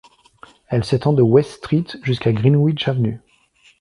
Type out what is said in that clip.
Elle s'étend de West Street jusqu'à Greenwich Avenue.